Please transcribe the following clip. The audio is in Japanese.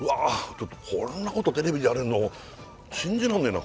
ちょっとこんなことテレビでやれるの信じらんねえな